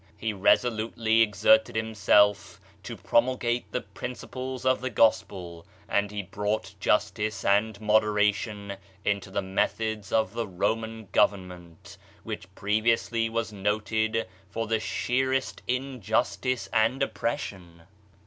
He resolutely exerted himself to promulgate the principles of the Gospel^ and he brought justice and moderation into the methods of the Roman government, which previously was noted for the sheerest injustice and oppression.